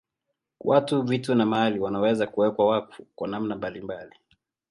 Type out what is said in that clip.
Watu, vitu na mahali wanaweza kuwekwa wakfu kwa namna mbalimbali.